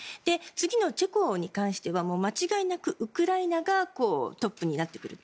次のチェコに関しては間違いなくウクライナがトップになってくる。